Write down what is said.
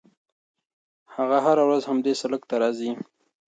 هغه هره ورځ همدې سړک ته راځي.